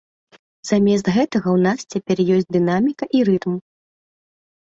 Замест гэтага ў нас цяпер ёсць дынаміка і рытм.